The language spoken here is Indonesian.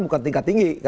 bukan tingkat tinggi